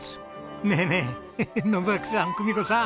ねえねえ信秋さん久美子さん